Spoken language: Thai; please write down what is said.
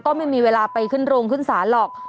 ก็ไม่มีเวลาไปขึ้นโรงขึ้นศาลหรอก